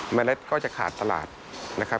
เล็ดก็จะขาดตลาดนะครับ